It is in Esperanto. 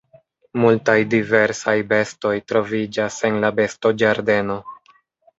Multaj diversaj bestoj troviĝas en la bestoĝardeno.